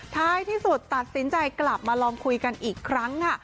ท้ายที่สุดตัดสินใจกลับมาลองคุยกันอีกครั้งค่ะ